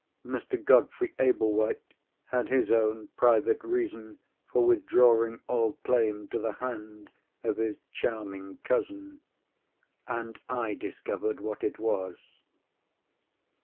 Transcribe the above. Mr. Godfrey Ablewhite had his own private reason for withdrawing all claim to the hand of his charming cousin—and I discovered what it was.